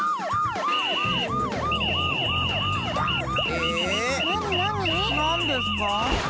えっ⁉なになに？なんですか？